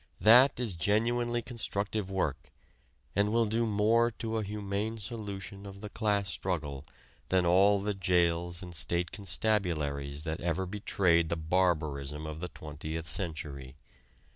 That is genuinely constructive work, and will do more to a humane solution of the class struggle than all the jails and state constabularies that ever betrayed the barbarism of the Twentieth Century.